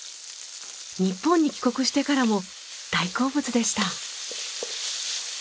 日本に帰国してからも大好物でした。